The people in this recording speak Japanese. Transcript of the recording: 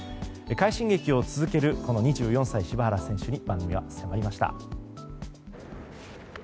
快進撃を続ける２４歳、柴原選手に番組は迫りました。